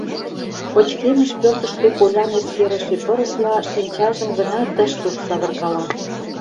Пычкемыш пӧртыштӧ колям эскерыше пырысла шинчажым гына тыш-туш савыркала.